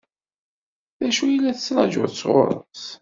D acu i la ttṛaǧun sɣur-s?